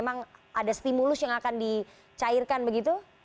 memang ada stimulus yang akan dicairkan begitu